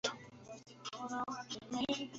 Se cree un genio, pero es bastante tonto.